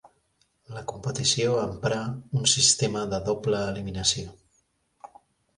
La competició emprà un sistema de doble eliminació.